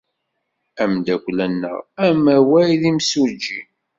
Ameddakel-nneɣ amaway d imsujji.